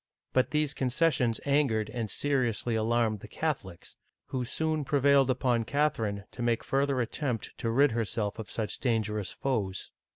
But these concessions angered and seriously alarmed the Catholics, who soon prevailed upon Catherine to make further attempt to rid herself of such dangerous foes.